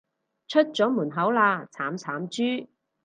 出咗門口喇，慘慘豬